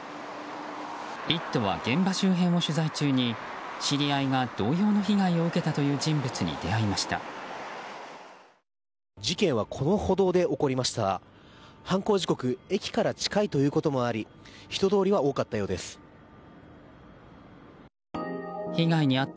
「イット！」は現場周辺を取材中に知り合いが同様の被害を受けたという人物に事件はこの歩道で起こりました。